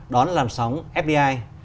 đón làm sóng fdi